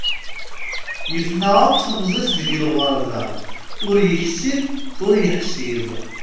Yefna akk temẓi-s deg lɣerba ur yeksib ur yeḥsib.